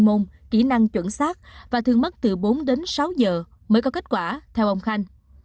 môn kỹ năng chuẩn xác và thường mất từ bốn đến sáu giờ mới có kết quả theo ông khanh